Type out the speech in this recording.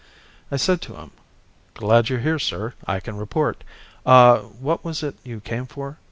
I said to him, "Glad you're here, sir. I can report. Ah, what was it you came for?